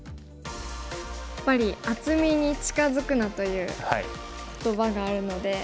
やっぱり「厚みに近づくな」という言葉があるので。